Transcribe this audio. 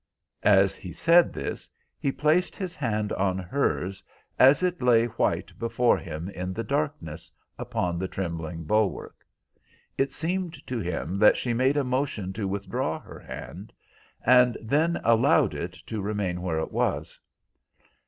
As he said this he placed his hand on hers as it lay white before him in the darkness upon the trembling bulwark. It seemed to him that she made a motion to withdraw her hand, and then allowed it to remain where it was.